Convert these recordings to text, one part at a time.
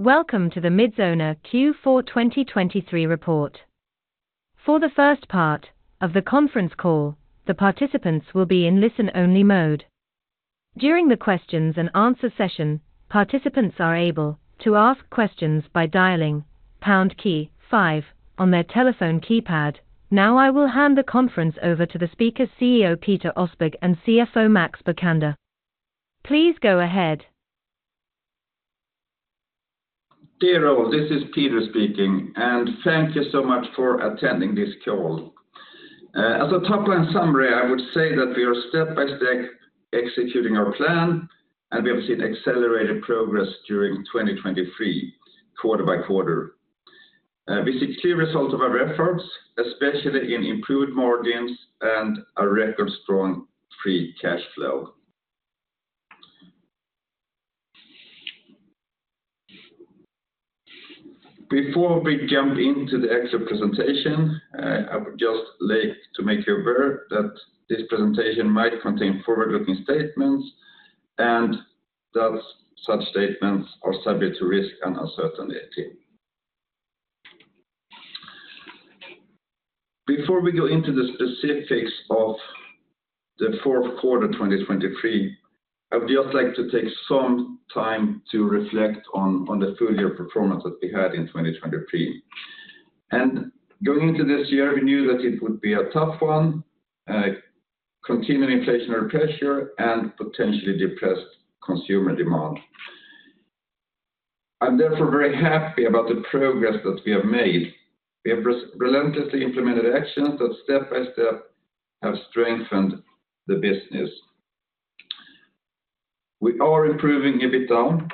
Welcome to the Midsona Q4 2023 report. For the first part of the conference call, the participants will be in listen-only mode. During the questions and answer session, participants are able to ask questions by dialing pound key five on their telephone keypad. Now, I will hand the conference over to the speaker, CEO Peter Åsberg, and CFO Max Bokander. Please go ahead. Dear all, this is Peter speaking, and thank you so much for attending this call. As a top-line summary, I would say that we are step-by-step executing our plan, and we have seen accelerated progress during 2023, quarter by quarter. We see clear results of our efforts, especially in improved margins and a record-strong free cash flow. Before we jump into the actual presentation, I would just like to make you aware that this presentation might contain forward-looking statements, and that such statements are subject to risk and uncertainty. Before we go into the specifics of the fourth quarter, 2023, I would just like to take some time to reflect on the full year performance that we had in 2023. Going into this year, we knew that it would be a tough one, continuing inflationary pressure and potentially depressed consumer demand. I'm therefore very happy about the progress that we have made. We have relentlessly implemented actions that step-by-step have strengthened the business. We are improving EBITDA.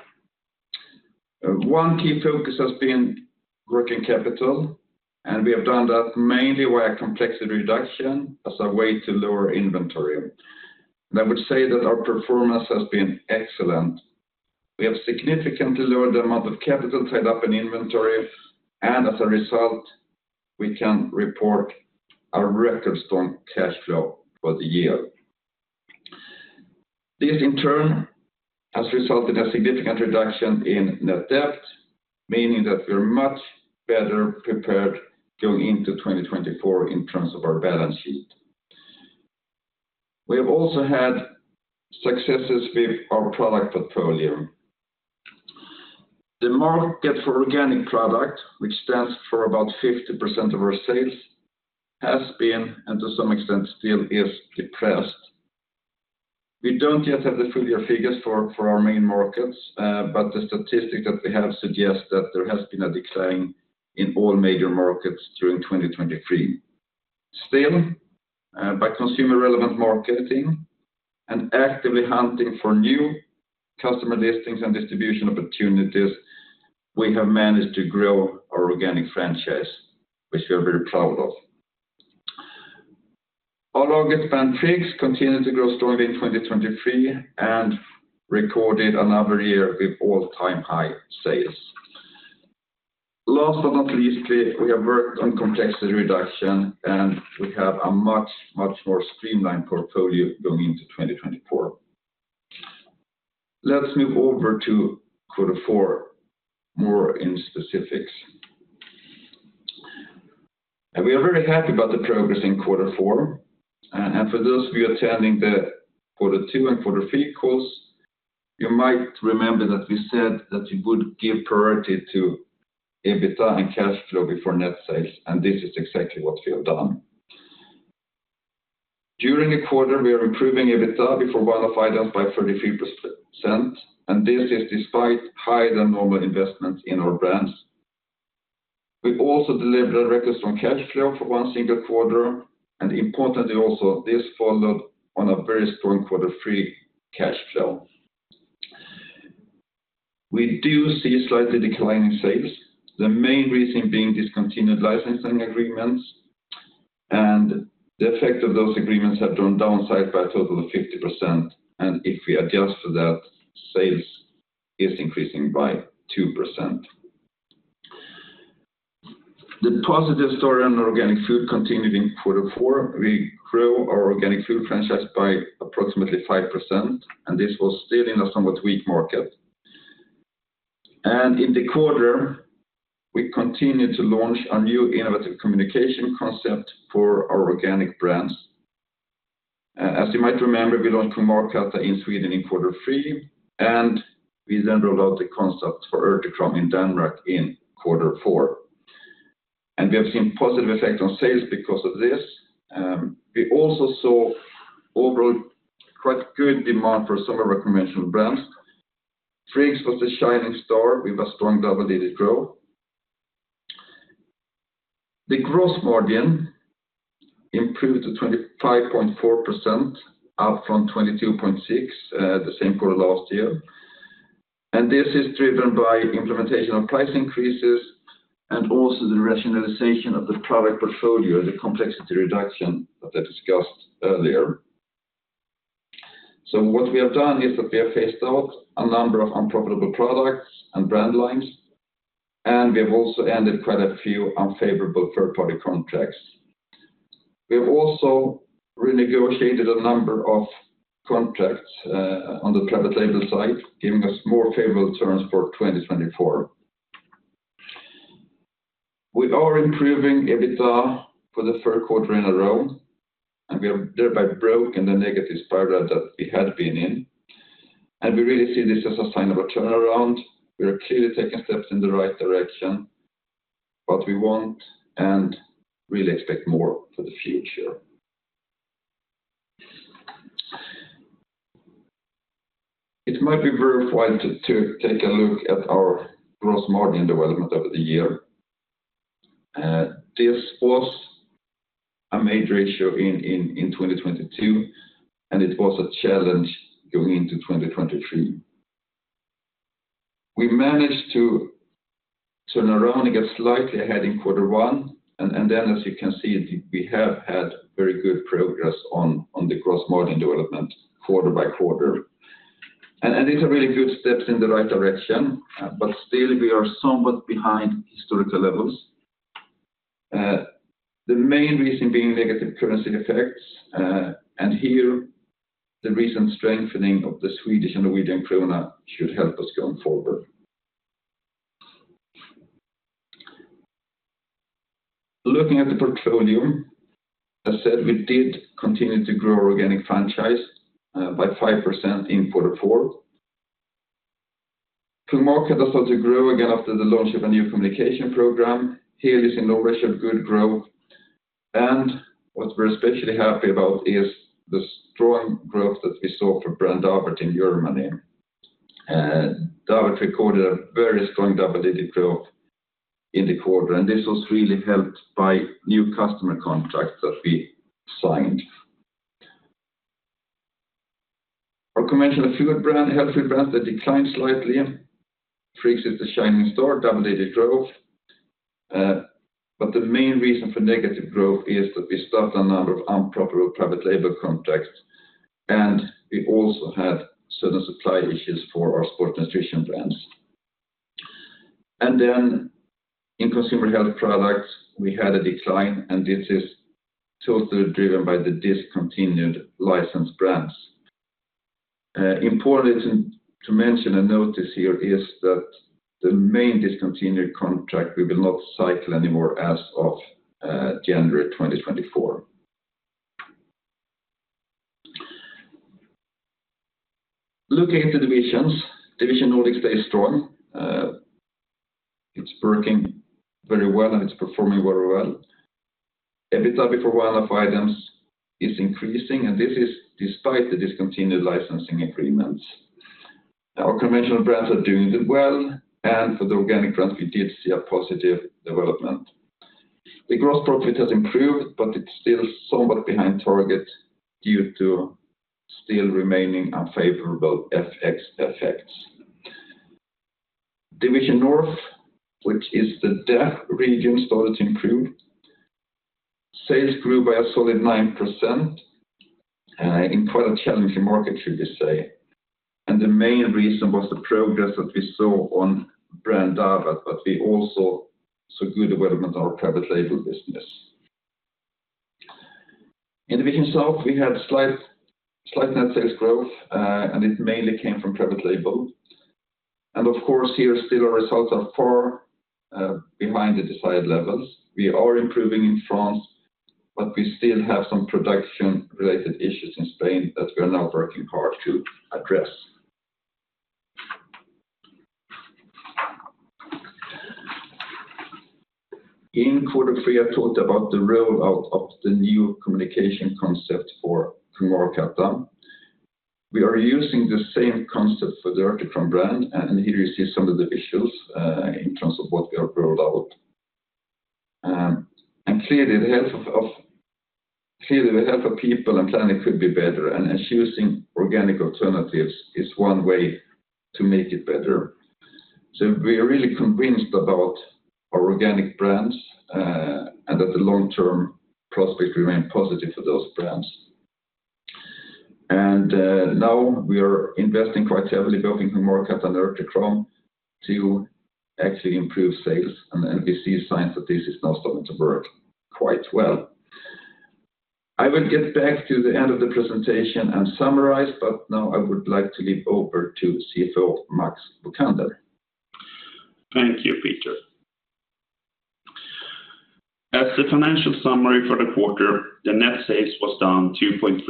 One key focus has been working capital, and we have done that mainly via complexity reduction as a way to lower inventory. I would say that our performance has been excellent. We have significantly lowered the amount of capital tied up in inventory, and as a result, we can report a record-strong cash flow for the year. This, in turn, has resulted in a significant reduction in net debt, meaning that we're much better prepared going into 2024 in terms of our balance sheet. We have also had successes with our product portfolio. The market for organic product, which stands for about 50% of our sales, has been, and to some extent still is, depressed. We don't yet have the full year figures for our main markets, but the statistic that we have suggests that there has been a decline in all major markets during 2023. Still, by consumer-relevant marketing and actively hunting for new customer listings and distribution opportunities, we have managed to grow our organic franchise, which we are very proud of. Our organic brand, Friggs, continued to grow strongly in 2023 and recorded another year with all-time high sales. Last but not least, we have worked on complexity reduction, and we have a much, much more streamlined portfolio going into 2024. Let's move over to quarter four, more in specifics. We are very happy about the progress in quarter four. For those of you attending the quarter two and quarter three calls, you might remember that we said that we would give priority to EBITDA and cash flow before net sales, and this is exactly what we have done. During the quarter, we are improving EBITDA before one-off items by 33%, and this is despite higher-than-normal investment in our brands. We also delivered a record-strong cash flow for one single quarter, and importantly, also, this followed on a very strong quarter three cash flow. We do see slightly declining sales, the main reason being discontinued licensing agreements, and the effect of those agreements have drawn down sales by a total of 50%, and if we adjust for that, sales is increasing by 2%. The positive story on organic food continued in quarter four. We grew our organic food franchise by approximately 5%, and this was still in a somewhat weak market. In the quarter, we continued to launch a new innovative communication concept for our organic brands. As you might remember, we launched Kung Markatta in Sweden in quarter three, and we then rolled out the concept for Urtekram in Denmark in quarter four. We have seen positive effect on sales because of this. We also saw overall quite good demand for summer recreational brands. Friggs was the shining star with a strong double-digit growth. The gross margin improved to 25.4%, up from 22.6%, the same quarter last year. This is driven by implementation of price increases and also the rationalization of the product portfolio, the complexity reduction that I discussed earlier. So what we have done is that we have phased out a number of unprofitable products and brand lines, and we have also ended quite a few unfavorable third-party contracts. We have also renegotiated a number of contracts on the private label side, giving us more favorable terms for 2024. We are improving EBITDA for the third quarter in a row, and we have thereby broken the negative spiral that we had been in, and we really see this as a sign of a turnaround. We are clearly taking steps in the right direction, but we want and really expect more for the future. It might be very fine to take a look at our gross margin development over the year. This was a major issue in 2022, and it was a challenge going into 2023. We managed to turn around and get slightly ahead in quarter one, and then, as you can see, we have had very good progress on the gross margin development quarter by quarter. And these are really good steps in the right direction, but still we are somewhat behind historical levels. The main reason being negative currency effects, and here, the recent strengthening of the Swedish and Norwegian krona should help us going forward. Looking at the portfolio, as said, we did continue to grow our organic franchise by 5% in quarter four. Private label also grew again after the launch of a new communication program. Here, we see in Norway a good growth. And what we're especially happy about is the strong growth that we saw for brand Davert in Germany. Davert recorded a very strong double-digit growth in the quarter, and this was really helped by new customer contracts that we signed. Our conventional food brand, healthy brand, that declined slightly. Friggs is the shining star, double-digit growth. But the main reason for negative growth is that we stopped a number of unprofitable private label contracts, and we also had certain supply issues for our sport nutrition brands. And then in consumer health products, we had a decline, and this is totally driven by the discontinued licensed brands. Important to mention and notice here is that the main discontinued contract will not cycle anymore as of January 2024. Looking at the divisions. Division Nordics stay strong. It's working very well, and it's performing very well. EBITDA before one-off items is increasing, and this is despite the discontinued licensing agreements. Our conventional brands are doing well, and for the organic brands, we did see a positive development. The gross profit has improved, but it's still somewhat behind target due to still remaining unfavorable FX effects. Division North, which is the DACH region, started to improve. Sales grew by a solid 9%, in quite a challenging market, should you say. And the main reason was the progress that we saw on brand Davert, but we also saw good development in our private label business. In the region South, we had slight net sales growth, and it mainly came from private label. And of course, here still our results are far behind the desired levels. We are improving in France, but we still have some production-related issues in Spain that we are now working hard to address. In quarter three, I talked about the rollout of the new communication concept for Kung Markatta. We are using the same concept for the Urtekram brand, and here you see some of the visuals in terms of what we have rolled out. Clearly, the health of people and planet could be better, and choosing organic alternatives is one way to make it better. So we are really convinced about our organic brands, and that the long-term prospects remain positive for those brands. Now we are investing quite heavily, both in Kung Markatta and Urtekram, to actually improve sales, and we see signs that this is now starting to work quite well. I will get back to the end of the presentation and summarize, but now I would like to leave over to CFO, Max Bokander. Thank you, Peter. As the financial summary for the quarter, the net sales was down 2.3%,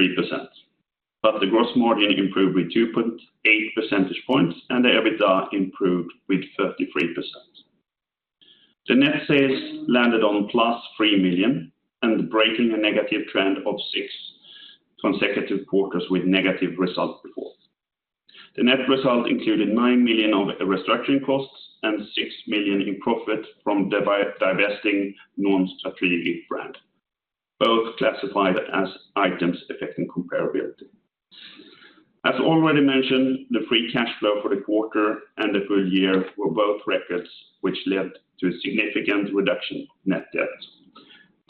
but the gross margin improved with 2.8 percentage points, and the EBITDA improved with 33%. The net sales landed on +3 million and breaking a negative trend of six consecutive quarters with negative result before. The net result included 9 million of restructuring costs and 6 million in profit from divesting non-strategic brand, both classified as items affecting comparability. As already mentioned, the free cash flow for the quarter and the full year were both records, which led to a significant reduction in net debt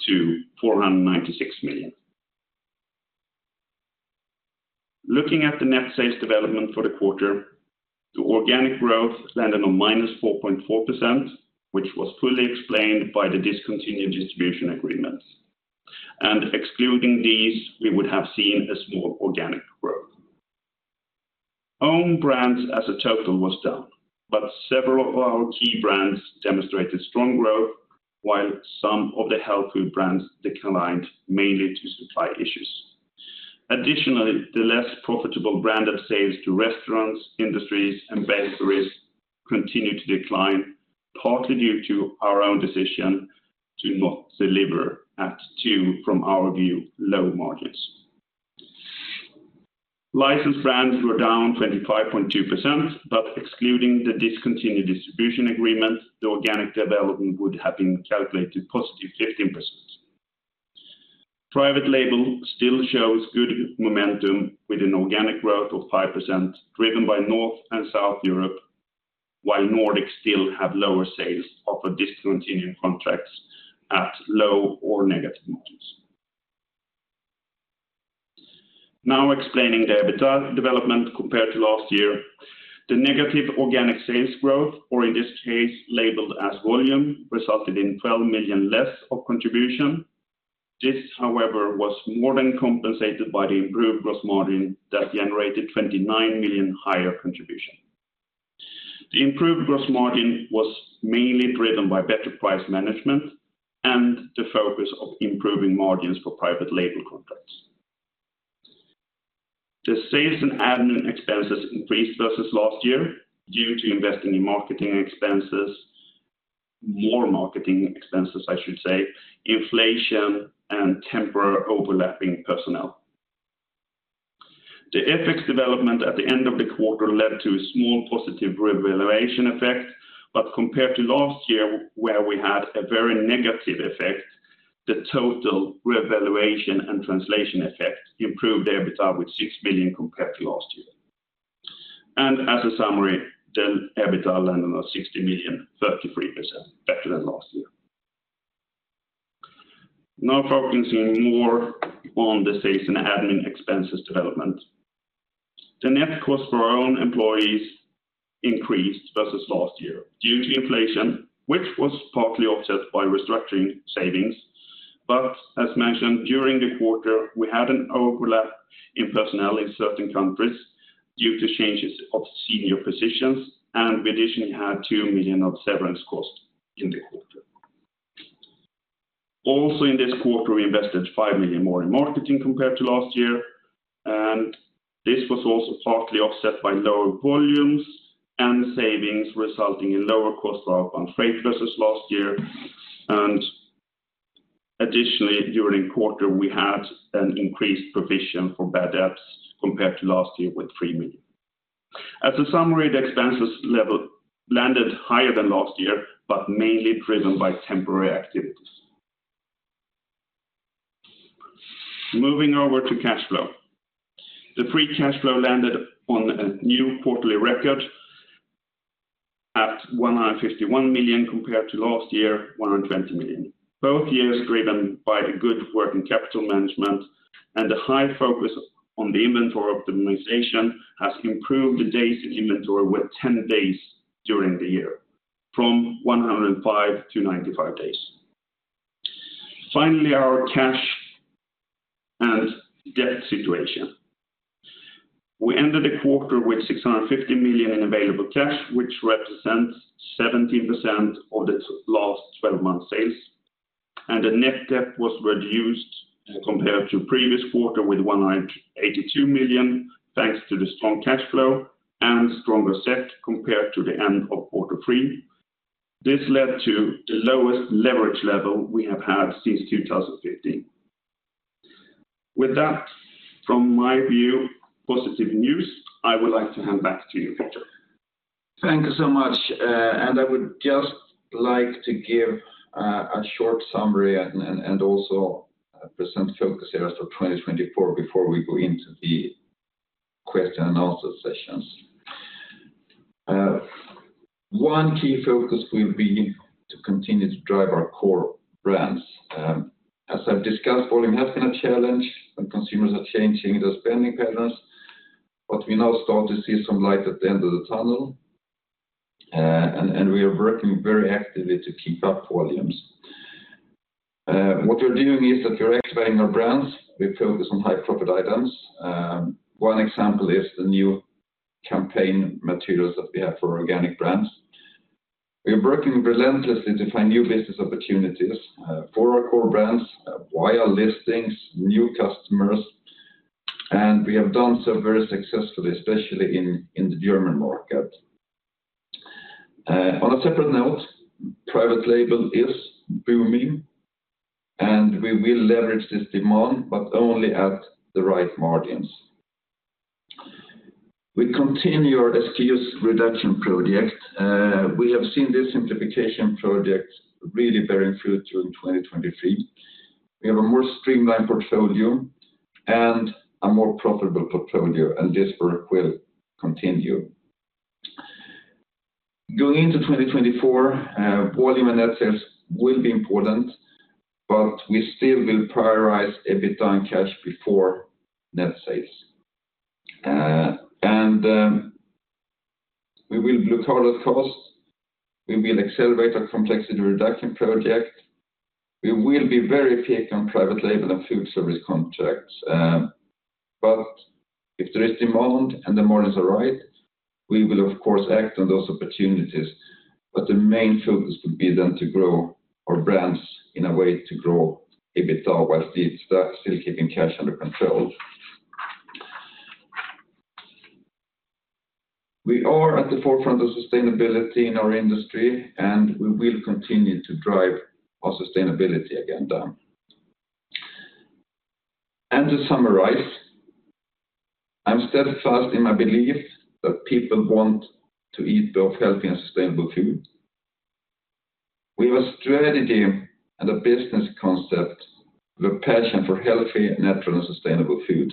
to SEK 496 million. Looking at the net sales development for the quarter, the organic growth landed on -4.4%, which was fully explained by the discontinued distribution agreements. Excluding these, we would have seen a small organic growth. Own brands as a total was down, but several of our key brands demonstrated strong growth, while some of the health food brands declined, mainly due to supply issues. Additionally, the less profitable branch of sales to restaurants, industries, and bakeries continued to decline, partly due to our own decision to not deliver at too, from our view, low margins. Licensed brands were down 25.2%, but excluding the discontinued distribution agreement, the organic development would have been calculated positive +15%. Private label still shows good momentum with an organic growth of 5%, driven by North and South Europe, while Nordic still have lower sales of a discontinued contracts at low or negative margins. Now explaining the EBITDA development compared to last year, the negative organic sales growth, or in this case, labeled as volume, resulted in 12 million less of contribution. This, however, was more than compensated by the improved gross margin that generated 29 million higher contribution. The improved gross margin was mainly driven by better price management and the focus of improving margins for private label contracts. The sales and admin expenses increased versus last year due to investing in marketing expenses, more marketing expenses, I should say, inflation and temporary overlapping personnel. The FX development at the end of the quarter led to a small positive revaluation effect, but compared to last year, where we had a very negative effect, the total revaluation and translation effect improved the EBITDA with 6 million compared to last year. As a summary, the EBITDA landed on 60 million, 33% better than last year. Now focusing more on the sales and admin expenses development. The net cost for our own employees increased versus last year due to inflation, which was partly offset by restructuring savings. As mentioned during the quarter, we had an overlap in personnel in certain countries due to changes of senior positions, and we additionally had 2 million of severance cost in the quarter. Also, in this quarter, we invested 5 million more in marketing compared to last year, and this was also partly offset by lower volumes and savings, resulting in lower costs on freight versus last year. Additionally, during quarter, we had an increased provision for bad debts compared to last year with 3 million. As a summary, the expenses level landed higher than last year, but mainly driven by temporary activities. Moving over to cash flow. The free cash flow landed on a new quarterly record at 151 million, compared to last year, 120 million. Both years driven by a good working capital management, and a high focus on the inventory optimization has improved the days in inventory with 10 days during the year, from 105 to 95 days. Finally, our cash and debt situation. We ended the quarter with 650 million in available cash, which represents 17% of the last twelve months sales, and the net debt was reduced compared to previous quarter with 182 million, thanks to the strong cash flow and stronger SEK compared to the end of quarter three. This led to the lowest leverage level we have had since 2015. With that, from my view, positive news, I would like to hand back to you, Peter. Thank you so much, and I would just like to give a short summary and also present focus areas for 2024 before we go into the question and answer sessions. One key focus will be to continue to drive our core brands. As I've discussed, volume has been a challenge, and consumers are changing their spending patterns, but we now start to see some light at the end of the tunnel, and we are working very actively to keep up volumes. What we're doing is that we are explaining our brands. We focus on high-profit items. One example is the new campaign materials that we have for organic brands. We are working relentlessly to find new business opportunities for our core brands via listings, new customers, and we have done so very successfully, especially in the German market. On a separate note, private label is booming, and we will leverage this demand, but only at the right margins. We continue our SKUs reduction project. We have seen this simplification project really bearing fruit during 2023. We have a more streamlined portfolio and a more profitable portfolio, and this work will continue. Going into 2024, volume and net sales will be important, but we still will prioritize EBITDA and cash before net sales. And we will look over the cost. We will accelerate our complexity reduction project. We will be very picky on private label and food service contracts, but if there is demand and the demands are right, we will of course act on those opportunities. But the main focus would be then to grow our brands in a way to grow EBITDA, while still keeping cash under control. We are at the forefront of sustainability in our industry, and we will continue to drive our sustainability agenda. And to summarize, I'm steadfast in my belief that people want to eat both healthy and sustainable food. We have a strategy and a business concept, the passion for healthy, natural, and sustainable food.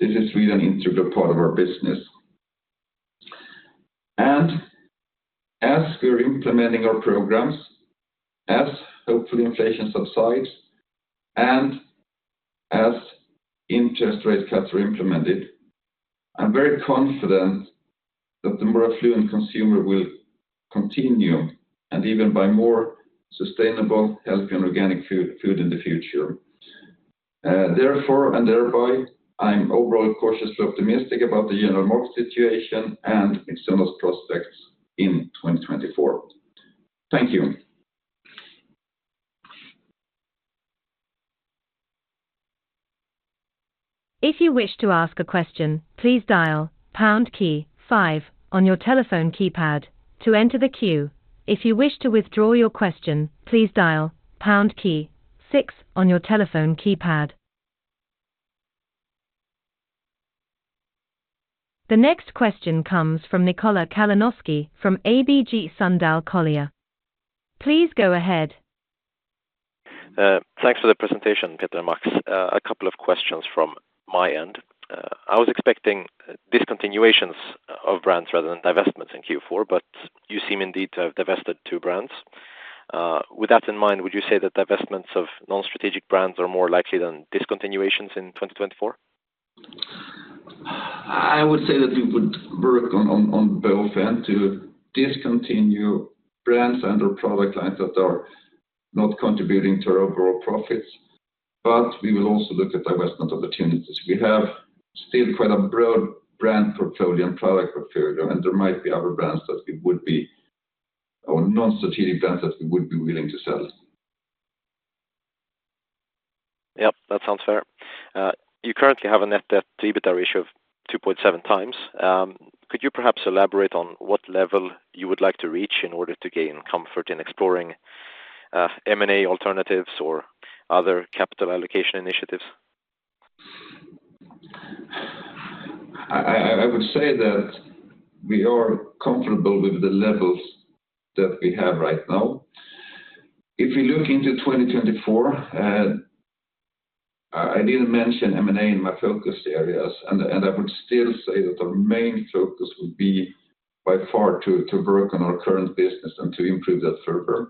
This is really an integral part of our business. as we're implementing our programs, as hopefully inflation subsides, and as interest rate cuts are implemented, I'm very confident that the more affluent consumer will continue, and even buy more sustainable, healthy, and organic food, food in the future. Therefore, and thereby, I'm overall cautiously optimistic about the general market situation and external prospects in 2024. Thank you. If you wish to ask a question, please dial pound key five on your telephone keypad to enter the queue. If you wish to withdraw your question, please dial pound key six on your telephone keypad. The next question comes from Nikola Kalanoski from ABG Sundal Collier. Please go ahead. Thanks for the presentation, Peter and Max. A couple of questions from my end. I was expecting discontinuations of brands rather than divestments in Q4, but you seem indeed to have divested two brands. With that in mind, would you say that divestments of non-strategic brands are more likely than discontinuations in 2024? I would say that we would work on both ends to discontinue brands and/or product lines that are not contributing to our overall profits, but we will also look at divestment opportunities. We have still quite a broad brand portfolio and product portfolio, and there might be other brands that we would be or non-strategic brands that we would be willing to sell. Yep, that sounds fair. You currently have a net debt to EBITDA ratio of 2.7x. Could you perhaps elaborate on what level you would like to reach in order to gain comfort in exploring M&A alternatives or other capital allocation initiatives? I would say that we are comfortable with the levels that we have right now. If we look into 2024, I didn't mention M&A in my focus areas, and I would still say that our main focus would be by far to work on our current business and to improve that further.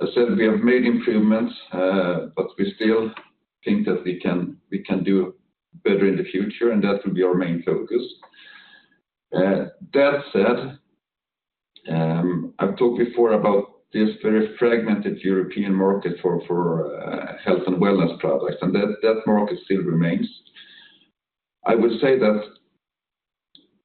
I said we have made improvements, but we still think that we can do better in the future, and that will be our main focus. That said, I've talked before about this very fragmented European market for health and wellness products, and that market still remains. I would say that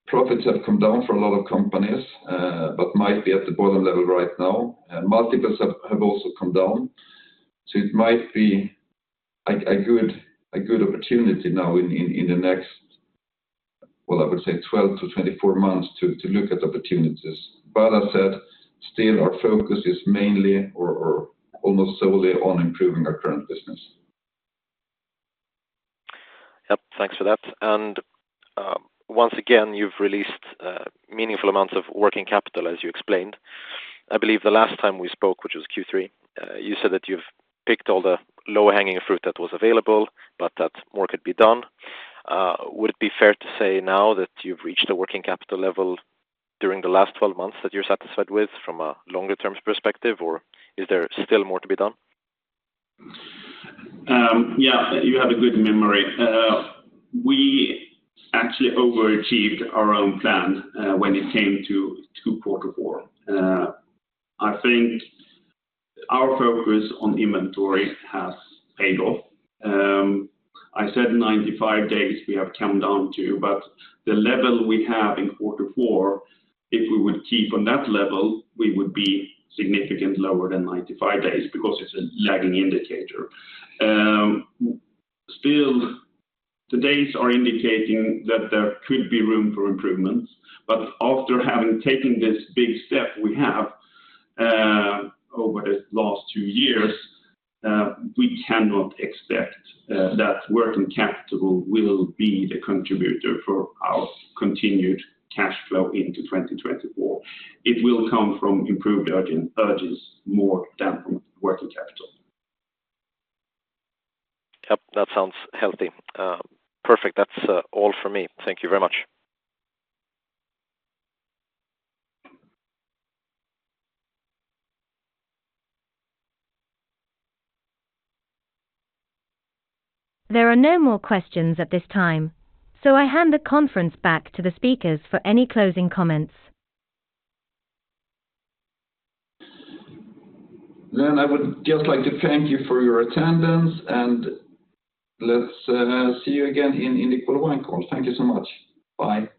profits have come down for a lot of companies, but might be at the bottom level right now, and multiples have also come down. So it might be a good opportunity now in the next, well, I would say 12-24 months to look at opportunities. But as I said, still our focus is mainly or almost solely on improving our current business. Yep. Thanks for that. And, once again, you've released meaningful amounts of working capital, as you explained. I believe the last time we spoke, which was Q3, you said that you've picked all the low-hanging fruit that was available, but that more could be done. Would it be fair to say now that you've reached a working capital level during the last 12 months that you're satisfied with from a longer-term perspective, or is there still more to be done? Yeah, you have a good memory. We actually overachieved our own plan, when it came to quarter four. I think our focus on inventory has paid off. I said 95 days we have come down to, but the level we have in quarter four, if we would keep on that level, we would be significantly lower than 95 days because it's a lagging indicator. Still, the data are indicating that there could be room for improvements, but after having taken this big step we have, over the last two years, we cannot expect that working capital will be the contributor for our continued cash flow into 2024. It will come from improved margins, margins more than from working capital. Yep, that sounds healthy. Perfect. That's all for me. Thank you very much. There are no more questions at this time, so I hand the conference back to the speakers for any closing comments. Then I would just like to thank you for your attendance, and let's see you again in the quarter one call. Thank you so much. Bye.